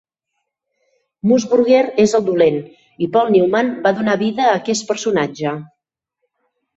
Mussburger és el dolent i Paul Newman va donar vida a aquest personatge.